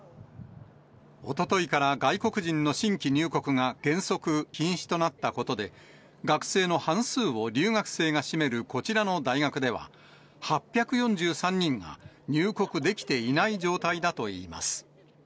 おとといから外国人の新規入国が原則、禁止となったことで、学生の半数を留学生が占めるこちらの大学では、８４３人が入国できていない状態だといいます。